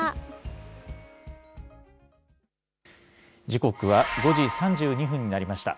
時刻は５時３２分になりました。